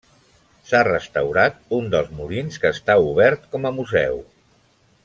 S'ha restaurat un dels molins que està obert com a museu.